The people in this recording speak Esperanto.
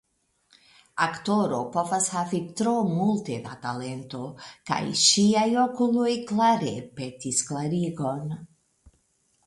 Aktoro povas havi tro multe da talento, kaj ŝiaj okuloj klare petis klarigon.